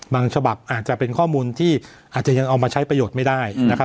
ฉบับอาจจะเป็นข้อมูลที่อาจจะยังเอามาใช้ประโยชน์ไม่ได้นะครับ